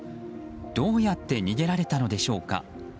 どうやって逃げられたのでしょうか。